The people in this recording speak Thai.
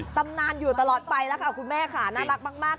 ตำนานอยู่ตลอดไปแล้วค่ะคุณแม่ค่ะน่ารักมาก